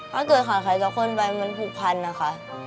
ถ้าเกิดขาดใครก็เข้าไปมันผูกพันนะคะ